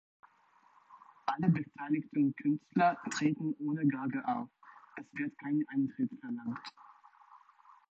Alle beteiligten Künstler treten ohne Gage auf, es wird kein Eintritt verlangt.